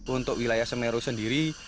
untuk wilayah semeru sendiri